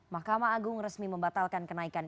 mahkamah agung resmi membatalkan kenaikan